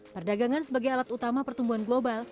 perdagangan sebagai alat utama pertumbuhan global